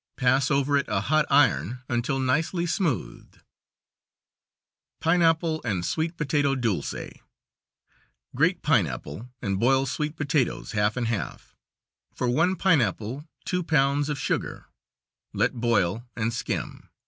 Pass over it a hot iron until nicely smoothed. Pineapple and sweet potato dulce: Grate pineapple, and boil sweet potatoes, half and half. For one pineapple two pounds of sugar; let boil and skim.